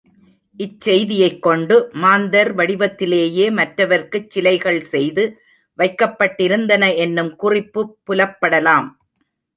இச்செய்தியைக் கொண்டு, மாந்தர் வடிவத்திலேயே மறவர்க்குச் சிலைகள் செய்து வைக்கப்பட்டிருந்தன என்னும் குறிப்பு புலப்படலாம்.